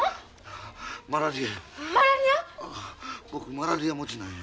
マラリア持ちなんよ。